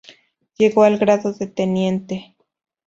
Llegó al grado de Teniente.